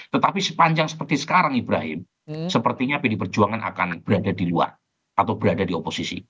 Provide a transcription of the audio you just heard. tetapi sepanjang seperti sekarang ibrahim sepertinya pd perjuangan akan berada di luar atau berada di oposisi